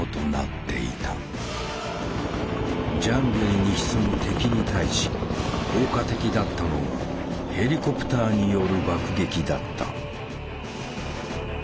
ジャングルに潜む敵に対し効果的だったのがヘリコプターによる爆撃だった。